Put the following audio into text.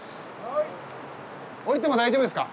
おりても大丈夫ですか？